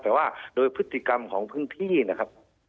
แต่ว่าโดยพฤติกรรมของพื้นที่นะครับ